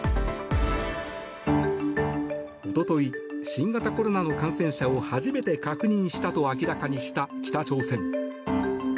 一昨日、新型コロナの感染者を初めて確認したと明らかにした北朝鮮。